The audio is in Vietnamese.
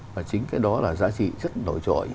và chính cái đó là giá trị rất nổi trội